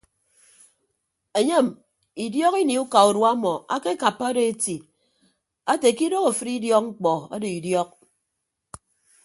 Enyem idiok ini uka urua ọmọ akekappa odo eti ate ke idooho afịd idiọk mkpọ ado idiọk.